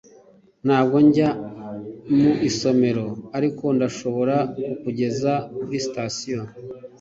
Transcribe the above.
ntabwo njya mu isomero, ariko ndashobora kukugeza kuri sitasiyo